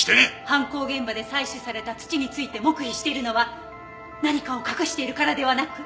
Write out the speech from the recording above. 犯行現場で採取された土について黙秘しているのは何かを隠しているからではなく。